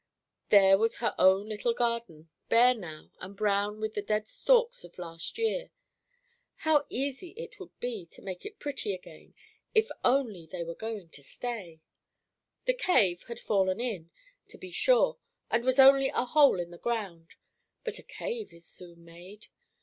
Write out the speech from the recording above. There was her own little garden, bare now and brown with the dead stalks of last year. How easy it would be to make it pretty again if only they were going to stay! The "cave" had fallen in, to be sure, and was only a hole in the ground, but a cave is soon made.